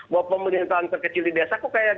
bahwa pemerintahan terkecil di desa kok kayak